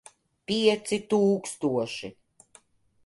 Pieci tūkstoši.